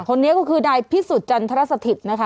คนนี้ก็คือนายพิสุทธิจันทรสถิตนะคะ